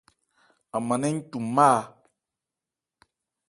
An man nɛ́n n cu má a.